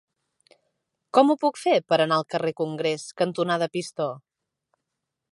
Com ho puc fer per anar al carrer Congrés cantonada Pistó?